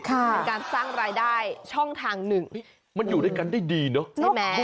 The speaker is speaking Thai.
เป็นการสร้างรายได้ช่องทางหนึ่งมันอยู่ด้วยกันได้ดีเนอะใช่ไหม